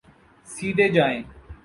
سیدھے جائیے